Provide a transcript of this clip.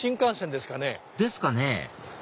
ですかね